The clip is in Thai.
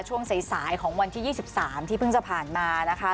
ช่วงสายของวันที่๒๓ที่เพิ่งจะผ่านมานะคะ